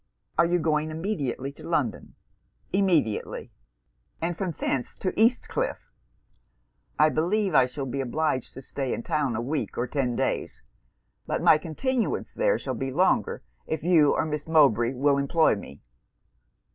'Are you going immediately to London?' 'Immediately.' 'And from thence to East Cliff?' 'I believe I shall be obliged to stay in town a week or ten days. But my continuance there shall be longer, if you or Miss Mowbray will employ me.'